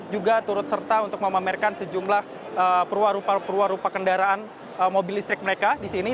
juga turut serta untuk memamerkan sejumlah perwarupa perwarupa kendaraan mobil listrik mereka di sini